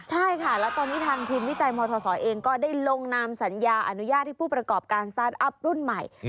ใช่ค่ะแล้วตอนนี้ทางทีมวิจัยมศเองก็ได้ลงนามสัญญาอนุญาตให้ผู้ประกอบการสตาร์ทอัพรุ่นใหม่